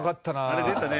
あれ出たね